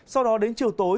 sau đó đến chiều tối